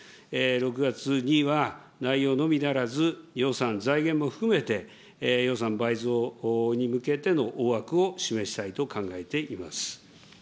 ６月には内容のみならず、予算、財源も含めて、予算倍増に向けての大枠を示したいと考えております。